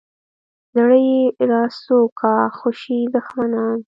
زړه یې راسو کا خوشي دښمنان.